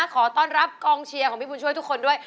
ขอต้อนรับกองเชียร์ของพี่บุญช่วยทุกคนด้วย